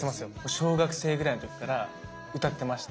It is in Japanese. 小学生ぐらいの時から歌ってました。